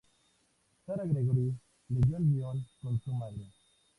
Sara Gregory leyó el guion con su madre.